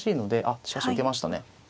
あっしかし受けましたね。